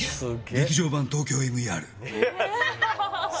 劇場版「ＴＯＫＹＯＭＥＲ」ハハッ